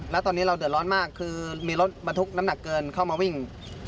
แล้วตอนนี้เราเดือดร้อนมากคือมีรถบรรทุกน้ำหนักเกินเข้ามาวิ่ง